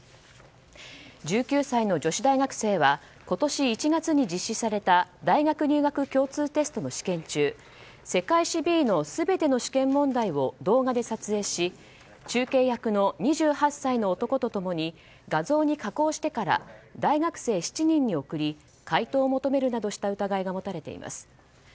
１９歳の女子大学生は今年１月に実施された大学入学共通テストの試験中世界史Ｂの全ての試験問題を動画で撮影し中継役の２８歳の男と共に画像に加工してから大学生７人に送り解答を求めるなどした疑いが持たれています。